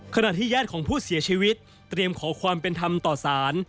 ขณะที่ญาติของผู้เสียชีวิตเตรียมขอความเป็นธรรมต่อสาร